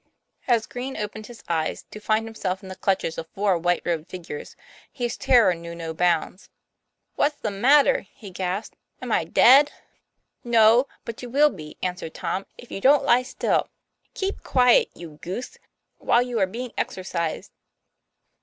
As Green opened his eyes to find himself in the clutches of four white robed figures, his terror knew no bounds. "What's the matter?" he gasped. "Am I dead ?" "No; but you will be," answered Tom, "if you don't lie still. Keep quiet, you goose, while you are being exercised."